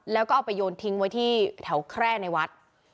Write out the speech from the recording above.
แล้วก็เอาไปโยนทิ้งไว้ที่แถวแคร่ในวัด